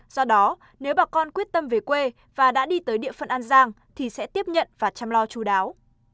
do đó nếu bà con quyết tâm về quê và đã đi tới địa phận an giang thì sẽ tiếp nhận và chăm lo chú đáo